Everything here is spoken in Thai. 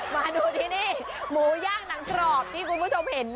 มาดูที่นี่หมูย่างหนังกรอบที่คุณผู้ชมเห็น